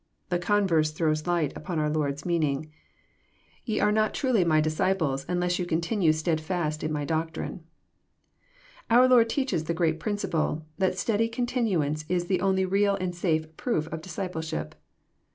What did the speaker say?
The converse throws light on our Lord's meaning :" You are not truly disciples, unless you continue steadfast in My doctrine." Our Lord teaches the great principle, that steady continuance is the only real and safe proof of discipleship.